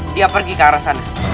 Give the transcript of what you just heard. dia pergi ke arah sana